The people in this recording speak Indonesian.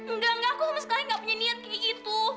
enggak enggak aku sama sekali gak punya niat kayak gitu